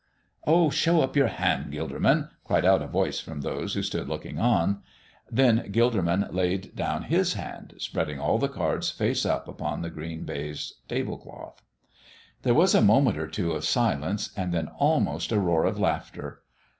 "Oh, show up your hand, Gilderman!" called out a voice from those who stood looking on. Then Gilderman laid down his hand, spreading all the cards face up upon the green baize tablecloth. There was a moment or two of silence and then almost a roar of laughter.